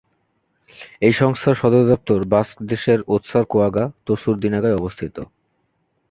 এই সংস্থার সদর দপ্তর বাস্ক দেশের ওতসারকোয়াগা-তসুরদিনাগায় অবস্থিত।